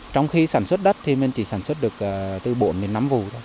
trong khi sản xuất đất thì mình chỉ sản xuất được từ bốn đến năm vụ thôi